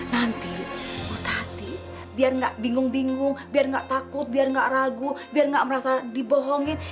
nanti bu tati biar enggak bingung bingung biar enggak takut biar enggak ragu biar enggak merasa dibohongin